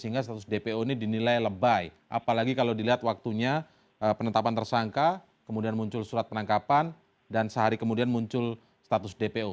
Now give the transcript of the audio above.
sehingga status dpo ini dinilai lebay apalagi kalau dilihat waktunya penetapan tersangka kemudian muncul surat penangkapan dan sehari kemudian muncul status dpo